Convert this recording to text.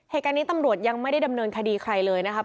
เหตุการณ์นี้ตำรวจยังไม่ได้ดำเนินคดีใครเลยนะครับ